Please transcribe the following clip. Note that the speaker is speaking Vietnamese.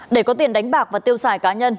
để có tiền đánh bạc và tiêu xài cá nhân